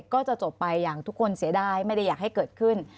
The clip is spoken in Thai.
ก็จะจบไปอย่างทุกคนเสียดายไม่ได้อยากให้เกิดขึ้น